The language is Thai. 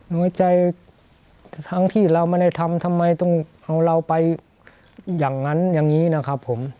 น้อยใจทั้งที่เราไม่ได้ทำทำไมต้องเอาเราไปอย่างนั้นอย่างนี้นะครับผม